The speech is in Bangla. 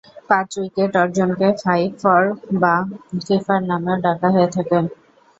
পাঁচ-উইকেট অর্জনকে "ফাইভ-ফর" বা "ফিফার" নামেও ডাকা হয়ে থাকে।